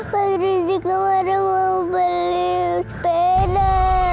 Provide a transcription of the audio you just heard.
pak rizie kemarin mau beliin sepeda